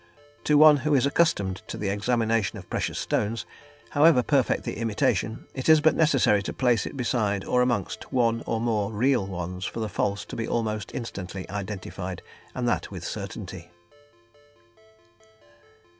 To one who is accustomed to the examination of precious stones, however perfect the imitation, it is but necessary to place it beside or amongst one or more real ones for the false to be almost instantly identified, and that with certainty.